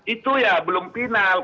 itu ya belum final